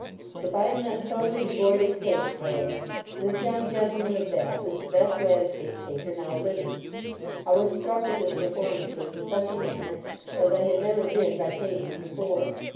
If I am not totally devoid of taste, however, this young gentleman of Bath is the best landscape painter now living: I was struck with his performances in such a manner, as I had never been by painting before.